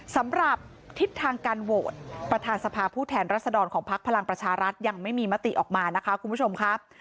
สำหรับทิศทางการโหวตประธานสภาผู้แทนรัศดรของพักพลังประชารัฐยังไม่มีมติออกมานะคะคุณผู้ชมครับ